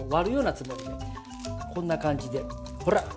こんな感じでほら！